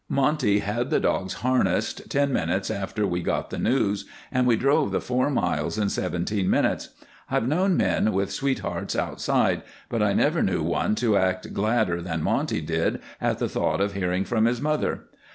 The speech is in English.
Monty had the dogs harnessed ten minutes after we got the news, and we drove the four miles in seventeen minutes. I've known men with sweethearts outside, but I never knew one to act gladder than Monty did at the thought of hearing from his mother.